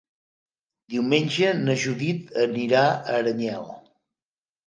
Diumenge na Judit anirà a Aranyel.